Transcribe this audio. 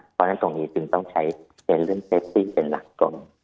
เพราะฉะนั้นตรงนี้จึงต้องใช้ในเรื่องเซฟตี้เป็นหลักตรง